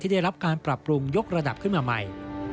ได้รับการปรับปรุงยกระดับขึ้นมาใหม่